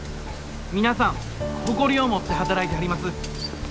皆さん誇りを持って働いてはります。